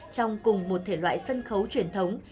trong cùng một thể loại sân khấu truyền thống